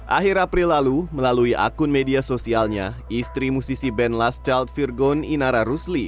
akhir april lalu melalui akun media sosialnya istri musisi band last charled virgon inara rusli